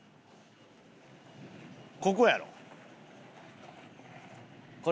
ここやろ。